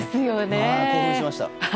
興奮しました。